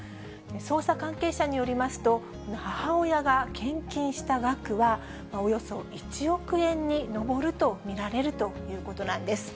捜査関係者によりますと、この母親が献金した額はおよそ１億円に上ると見られるということなんです。